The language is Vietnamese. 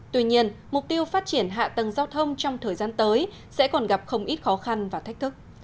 tuy nhiên mục tiêu phát triển hạ tầng giao thông trong thời gian tới sẽ còn gặp không ít khó khăn và thách thức